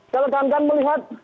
kalau kalian kan melihat